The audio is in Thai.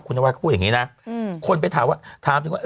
คุณณวัฒน์พูดอย่างนี้นะคนไปถามถึงว่า